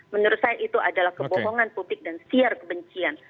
menurut saya itu adalah kebohongan publik dan siar kebencian